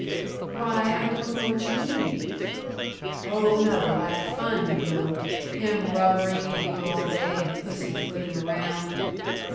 "Why, I don't know what you mean." "Oh no, like fun you don't him rubbering at you all day and pussy footing around!"